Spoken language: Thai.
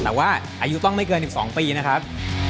แต่ว่าอายุต้องไม่เกิน๑๒ปีนะครับ